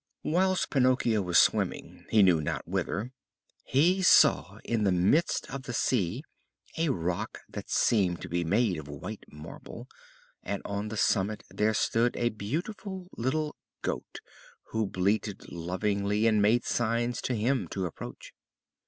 Whilst Pinocchio was swimming, he knew not whither, he saw in the midst of the sea a rock that seemed to be made of white marble, and on the summit there stood a beautiful little goat who bleated lovingly and made signs to him to approach.